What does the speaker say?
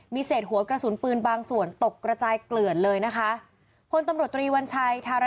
มีเศษหัวกระสุนปืนบางส่วนตกกระจายเกลือนเลยนะคะ